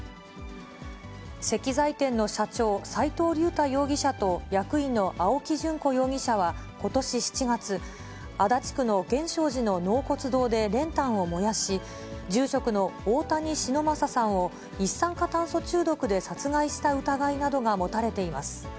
石材店の社長、斎藤竜太容疑者と役員の青木淳子容疑者はことし７月、足立区の源証寺の納骨堂で練炭を燃やし、住職の大谷忍昌さんを一酸化炭素中毒で殺害した疑いなどが持たれています。